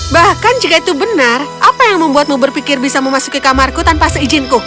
bahkan jika itu benar apa yang membuatmu berpikir bisa memasuki kamarku tanpa seizinku